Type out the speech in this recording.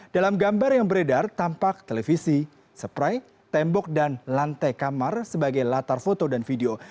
dalam gambar yang beredar tampak televisi spray tembok dan lantai kamar sebagai latar foto dan video